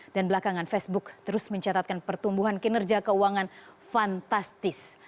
dan belakangan facebook terus mencatatkan pertumbuhan kinerja keuangan fantastis